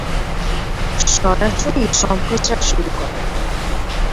সরাসরি সম্প্রচার শুরু করেন।